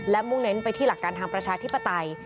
และมุ่งเน้นไปที่หลักการทางประชาธิปไตย